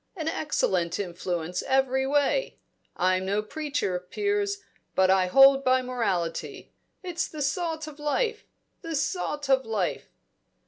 An excellent influence every way. I'm no preacher, Piers, but I hold by morality; it's the salt of life the salt of life!"